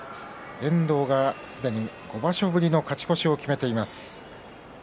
遠藤、すでに５場所ぶりの勝ち越しを決めています。